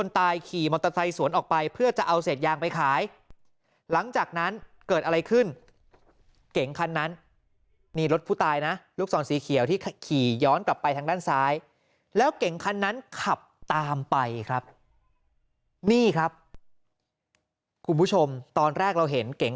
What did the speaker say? ตามไปครับนี่ครับคุณคุณผู้ชมตอนแรกเราเห็นเก่ง